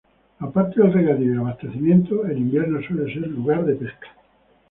Aparte del regadío y abastecimiento, en invierno suele ser lugar de pesca.